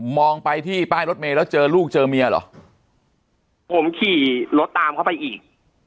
ไปที่ป้ายรถเมย์แล้วเจอลูกเจอเมียเหรอผมขี่รถตามเข้าไปอีก